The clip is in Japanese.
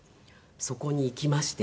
そこに行きまして。